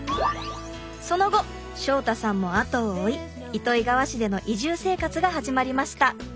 その後祥太さんも後を追い糸魚川市での移住生活が始まりました。